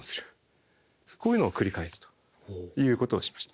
こういうのを繰り返すということをしました。